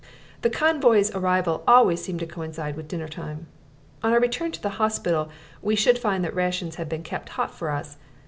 The convoys' arrivals always seemed to coincide with dinner time. On our return to the hospital we should find that the rations had been kept hot for us.